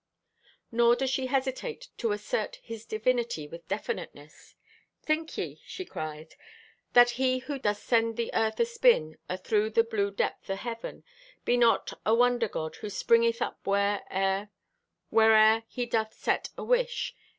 Nor does she hesitate to assert His divinity with definiteness. "Think ye," she cries, "that He who doth send the earth aspin athrough the blue depth o' Heaven, be not a wonder god who springeth up where'er He doth set a wish!